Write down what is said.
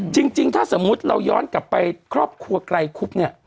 จริงถ้าสมมุติเราย้อนกลับไปครอบครัวไกลคุบเนี่ย